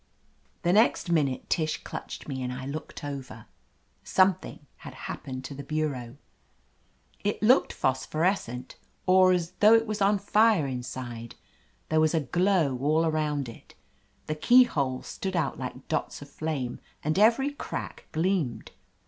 The next minute Tish clutched me and I looked over. Something had happened to the bureau. It looked phosphorescent, or as though it was on fire inside. There was a glow all around it. The keyholes stood out like dots of flame, and every crack gleamed.